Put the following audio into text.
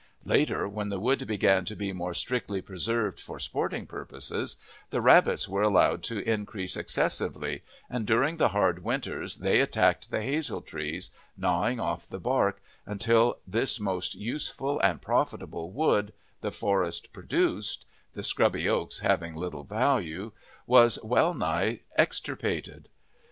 Later, when the wood began to be more strictly preserved for sporting purposes, the rabbits were allowed to increase excessively, and during the hard winters they attacked the hazel trees, gnawing off the bark, until this most useful and profitable wood the forest produced the scrubby oaks having little value was well nigh extirpated.